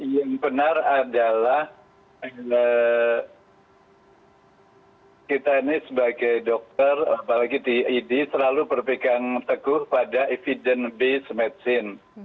yang benar adalah kita ini sebagai dokter apalagi di id selalu berpegang teguh pada evidence based matchine